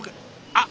あっ！